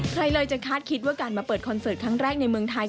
ใครเลยจะคาดคิดว่าการมาเปิดคอนเสิร์ตครั้งแรกในเมืองไทย